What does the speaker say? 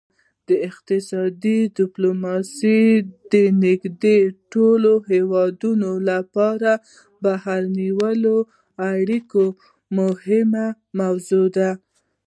اقتصادي ډیپلوماسي د نږدې ټولو هیوادونو لپاره د بهرنیو اړیکو مهمه موضوع ده